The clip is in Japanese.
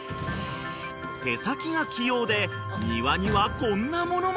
［手先が器用で庭にはこんなものまで！］